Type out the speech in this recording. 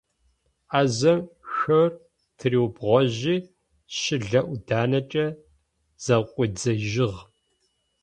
Ӏазэм шъор тыриубгъожьи, щылэ ӏуданэкӏэ зэкъуидзэжьыгъ.